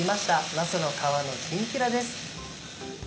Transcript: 「なすの皮のきんぴら」です。